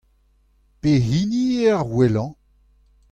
Pehini eo ar wellañ ?